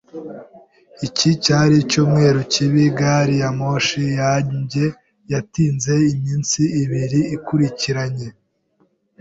Iki cyari icyumweru kibi. Gari ya moshi yanjye yatinze iminsi ibiri ikurikiranye.